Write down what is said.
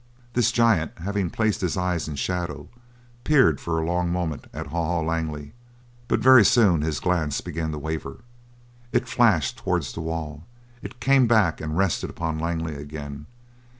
This giant, having placed his eyes in shadow, peered for a long moment at Haw Haw Langley, but very soon his glance began to waver. It flashed towards the wall it came back and rested upon Langley again.